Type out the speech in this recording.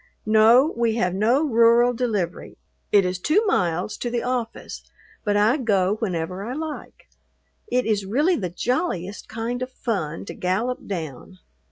No, we have no rural delivery. It is two miles to the office, but I go whenever I like. It is really the jolliest kind of fun to gallop down.